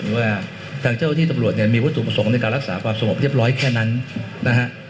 ว่าทางเจ้าที่ตำรวจเนี่ยมีวัตถุประสงค์ในการรักษาความสงบเรียบร้อยแค่นั้นนะฮะ